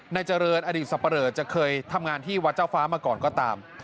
เจริญอดีตสับปะเลอจะเคยทำงานที่วัดเจ้าฟ้ามาก่อนก็ตาม